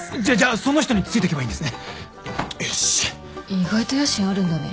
じゃっじゃあその人についていけばいいんですね？